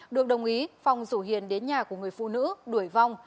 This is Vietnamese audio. được đồng ý phong rủ hiền đến nhà của người phụ nữ đuổi vong